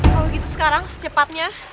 kalau begitu sekarang secepatnya